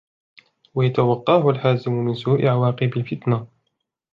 وَيَتَوَقَّاهُ الْحَازِمُ مِنْ سُوءِ عَوَاقِبِ الْفِتْنَةِ